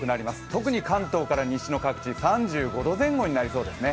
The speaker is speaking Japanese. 特に関東から西の各地３５度前後になりそうですね。